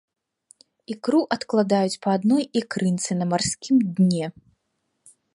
Ікру адкладаюць па адной ікрынцы на марскім дне.